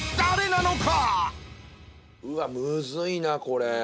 うわっむずいなこれ。